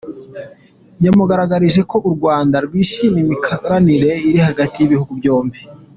Yamugaragarije ko u Rwanda rwishimira imikoranire iri hagati y’ibihugu byombi.